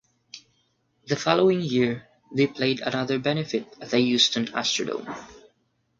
The following year, they played another benefit at the Houston Astrodome.